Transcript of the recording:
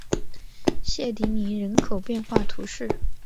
谢迪尼人口变化图示